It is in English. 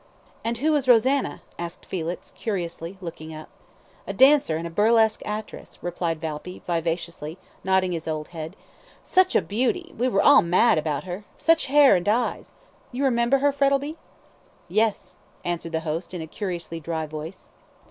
"And who was Rosanna?" asked Felix, curiously, looking up. "A dancer and burlesque actress," replied Valpy, vivaciously, nodding his old head. "Such a beauty; we were all mad about her such hair and eyes. You remember her, Frettlby?" "Yes," answered the host, in a curiously dry voice.